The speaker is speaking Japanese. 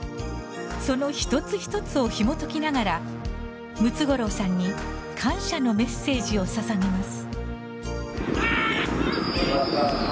その一つ一つをひもときながらムツゴロウさんに感謝のメッセージを捧げます。